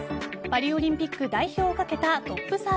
パリオリンピック代表をかけたＴＯＰ３２。